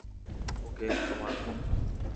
ওকে, তোমার ফোন।